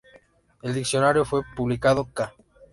El diccionario fue publicado "ca.